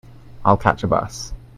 I'll catch a bus.